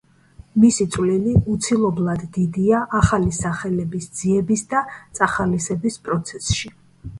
მისი წვლილი უცილობლად დიდია ახალი სახელების ძიების და წახალისების პროცესში.